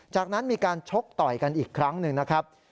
จากนั้นมีการชกต่อยกันอีกครั้งหนึ่งนะครับ